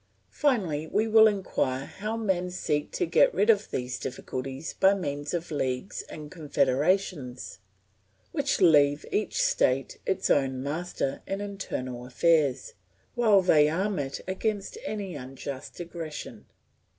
Finally we will inquire how men seek to get rid of these difficulties by means of leagues and confederations, which leave each state its own master in internal affairs, while they arm it against any unjust aggression.